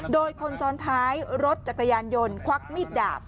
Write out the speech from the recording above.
โดยคนซ้อนท้ายรถจักรยานยนต์ควักมีดดาบ